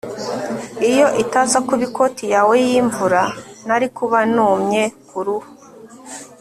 iyo itaza kuba ikoti yawe yimvura, nari kuba numye kuruhu